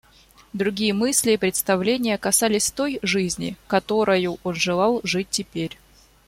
Другие мысли и представления касались той жизни, которою он желал жить теперь.